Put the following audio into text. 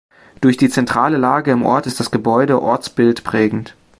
Durch die zentrale Lage im Ort ist das Gebäude ortsbildprägend.